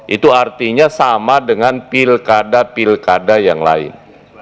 itu artinya sama dengan pilkada pilkada yang lain